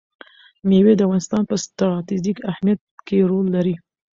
مېوې د افغانستان په ستراتیژیک اهمیت کې رول لري.